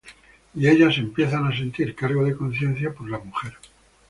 Y ellos empiezan a sentir cargo de conciencia por la mujer.